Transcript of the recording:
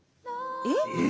えっ！